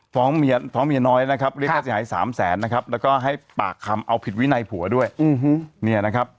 ฟ้องเมียน้อยเลขค่าเสียหาย๓แสนและให้ปากคำเอาผิดวินัยผัวด้วย